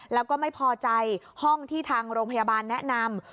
แล้วก็ไม่พอใจห้องที่ทางโรงพยาบาลแนะนำ